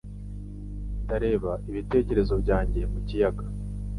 Ndareba ibitekerezo byanjye mu kiyaga.